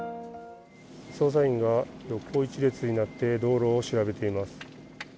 捜査員が横一列になって道路を調べています。